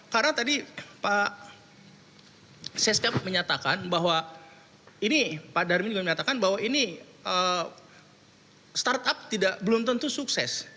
karena tadi pak seska menyatakan bahwa ini pak darmin menyatakan bahwa ini startup belum tentu sukses